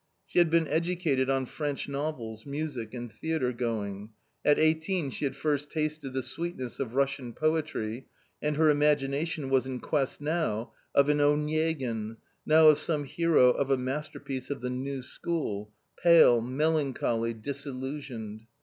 ! She had been educated on French novels, music, and theatre going. At eighteen she had first tasted the sweet i ness of Russian poetry and her imagination was in quest ^ i now of an Onegin, now of some hero of a masterpiece of I the new school — pale, melancholy, disillusioned.